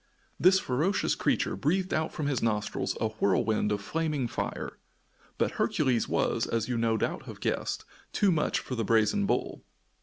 This ferocious creature breathed out from his nostrils a whirlwind of flaming fire. But Hercules was, as you no doubt have guessed, too much for the brazen bull.